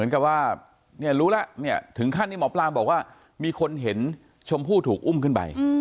แต่ว่ารู้แหล่ะถึงขั้นบอกว่ามีคนเห็นชมผู้ถูกอุ้มขึ้นไป